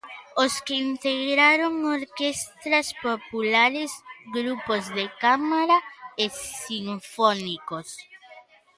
Os que integraron orquestras populares, grupos de cámara e sinfónicos.